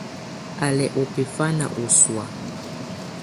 Á lɛ́ ɔ bɛfanɛ ɔ ɔsɔ̀á.